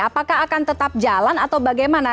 apakah akan tetap jalan atau bagaimana